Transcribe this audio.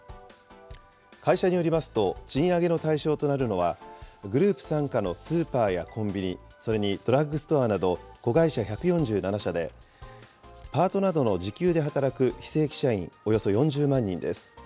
会社によりますと、賃上げの対象となるのは、グループ傘下のスーパーやコンビニ、それにドラッグストアなど、子会社１４７社で、パートなどの時給で働く非正規社員およそ４０万人です。